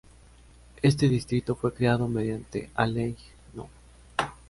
Este distrito fue creado mediante a Ley No.